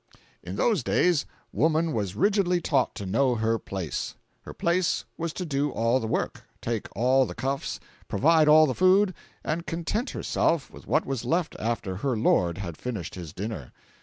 In those days woman was rigidly taught to "know her place." Her place was to do all the work, take all the cuffs, provide all the food, and content herself with what was left after her lord had finished his dinner.